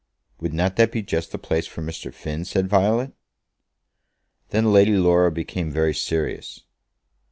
"Would not that be just the place for Mr. Finn?" said Violet. Then Lady Laura became very serious.